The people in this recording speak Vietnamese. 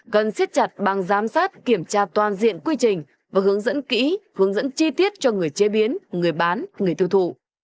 cần siết chặt bằng giám sát kiểm tra toàn diện quy trình và hướng dẫn kỹ hướng dẫn chi tiết cho người chế biến người bán người thư thụ